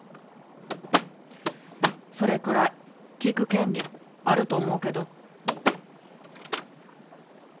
それくらい聞く権利あると思うけど？